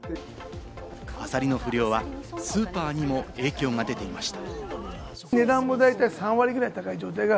アサリの不漁はスーパーにも影響が出ていました。